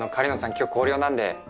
今日校了なんで。